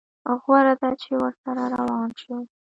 غوره ده چې ورسره روان شو.